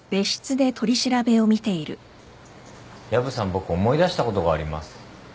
僕思い出したことがあります。